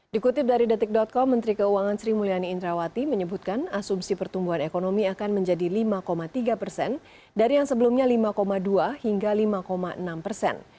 dikutip dari detik com menteri keuangan sri mulyani indrawati menyebutkan asumsi pertumbuhan ekonomi akan menjadi lima tiga persen dari yang sebelumnya lima dua hingga lima enam persen